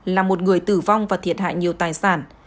là một người tử vong và thiệt hại nhiều tài sản